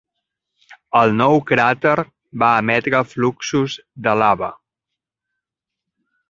El nou cràter va emetre fluxos de lava.